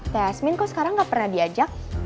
teh asmin kok sekarang gak pernah diajak